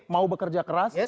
mau bekerja keras